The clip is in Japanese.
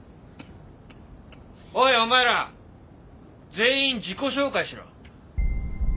おいお前ら全員自己紹介しろ。